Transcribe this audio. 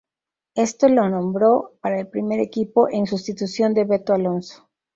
Éste lo nombró para el primer equipo, en sustitución de "Beto" Alonso.